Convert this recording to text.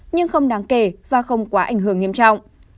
nhưng không đáng kể và không quá ảnh hưởng nghiêm trọng